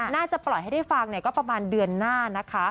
น่าจะปล่อยให้ได้ฟังก็ประมาณเดือนหน้านะคะ